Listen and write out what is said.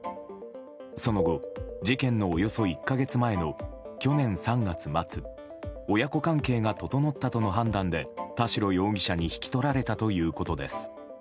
その後、事件のおよそ１か月前の去年３月末親子関係が整ったとの判断で田代容疑者に引き取られたということです。